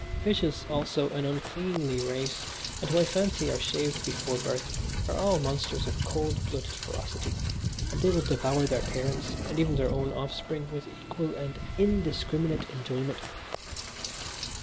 Fishes, also, an uncleanly race, and who I fancy are shaved before birth, are all monsters of cold blooded ferocity, and they will devour their parents and even their own offspring with equal and indiscriminate enjoyment.